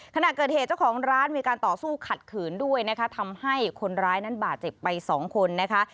ขณะเกิดเหตุเจ้าของร้านมีการต่อสู้ขัดขืนด้วยนะคะทำให้คนร้ายนั้นบาดเจ็บไปสองคนนะคะ